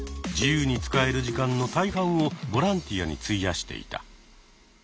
自由に使える時間の大半をボランティアに費やしていた。